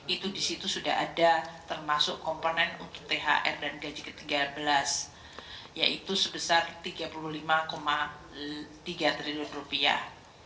itu disitu sudah ada termasuk komponen untuk thr dan gaji ke tiga belas yaitu sebesar tiga puluh lima tiga triliun rupiah